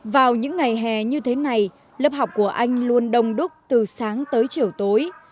vào những ngày hè như thế này lớp học của anh luôn đông đúc từ sáng tới chiều tối